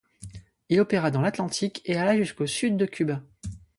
Il opéra dans l'Atlantique et alla jusqu'au sud de Cuba.